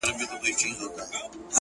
ماسومان زموږ وېريږي ورځ تېرېږي.